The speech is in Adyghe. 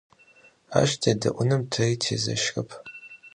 Aş têde'unım teri têzeşrep.